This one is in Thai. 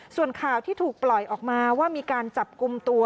ส่วนข่าวที่ถูกปล่อยออกมาว่ามีการจับกลุ่มตัว